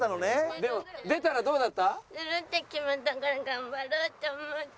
でも出たらどうだった？